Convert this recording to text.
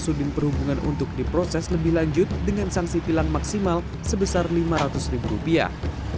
sudin perhubungan untuk diproses lebih lanjut dengan sanksi tilang maksimal sebesar lima ratus ribu rupiah